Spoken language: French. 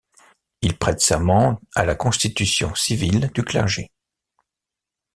Il prête serment à la constitution civile du clergé.